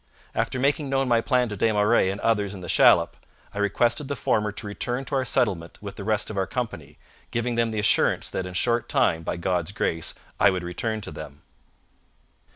After making known my plan to Des Marais and others in the shallop, I requested the former to return to our settlement with the rest of our company, giving them the assurance that in a short time, by God's grace, I would return to them.'